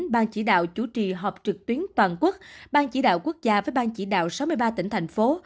bang chỉ đạo chủ trì họp trực tuyến toàn quốc bang chỉ đạo quốc gia với bang chỉ đạo sáu mươi ba tỉnh thành phố